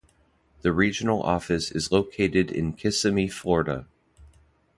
The regional office is located in Kissimmee, Florida.